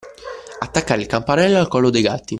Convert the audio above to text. Attaccare il campanello al collo dei gatti.